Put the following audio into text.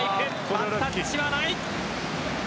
ワンタッチはない。